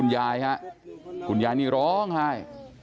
ยากย่ายนี้ร้องไหล